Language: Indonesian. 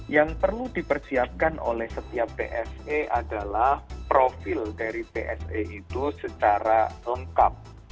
yang perlu dipersiapkan oleh setiap bse adalah profil dari bse itu secara lengkap